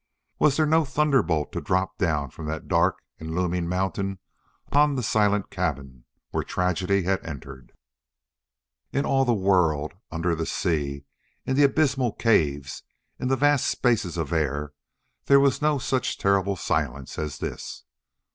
Was there no thunderbolt to drop down from that dark and looming mountain upon the silent cabin where tragedy had entered? In all the world, under the sea, in the abysmal caves, in the vast spaces of the air, there was no such terrible silence as this.